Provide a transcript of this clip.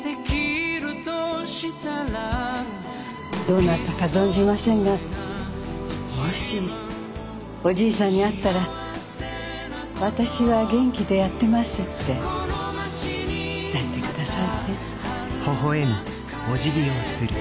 どなたか存じませんがもしおじいさんに会ったら「私は元気でやってます」って伝えてくださいね。